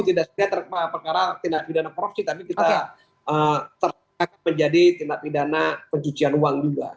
tidak sekedar perkara tindak pidana korupsi tapi kita terkena menjadi tindak pidana pencucian uang juga